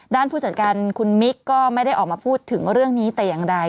ผู้จัดการคุณมิกก็ไม่ได้ออกมาพูดถึงเรื่องนี้แต่อย่างใด